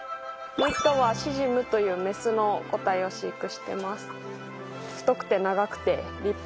もう一頭はシジムというメスの個体を飼育してます。